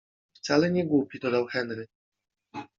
- I wcale nie głupi - dodał Henry.